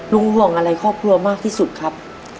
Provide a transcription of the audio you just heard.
ห่วงอะไรครอบครัวมากที่สุดครับ